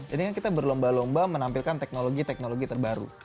ini kan kita berlomba lomba menampilkan teknologi teknologi terbaru